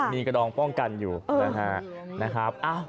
มีกระดองป้องกันอยู่นะครับ